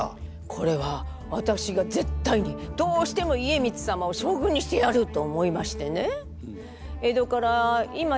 これはわたくしがぜったいにどうしても家光様を将軍にしてやると思いましてね